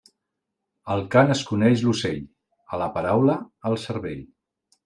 Al cant es coneix l'ocell; a la paraula, el cervell.